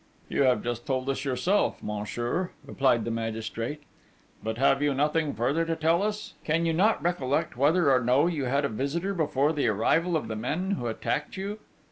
'You have just told us yourself, monsieur,' replied the magistrate.... 'But have you nothing further to tell us? Can you not recollect whether or no you had a visitor before the arrival of the men who attacked you?'